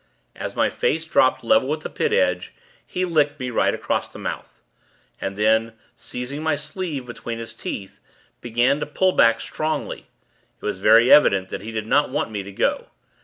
As my face dropped level with the Pit edge, he licked me, right across the mouth; and then, seizing my sleeve between his teeth, began to pull back, strongly. It was very evident that he did not want me to go.